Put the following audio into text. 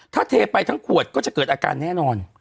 ถ้าเทไปทั้งขวดก็จะเกิดอาการแน่นอน